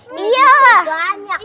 ini sudah banyak